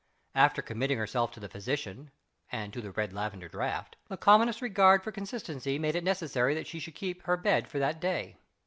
After committing herself to the physician (and to the red lavender draught) the commonest regard for consistency made it necessary that she should keep her bed for that day.